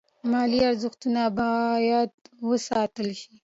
مالي ارزښتونه باید وساتل شي.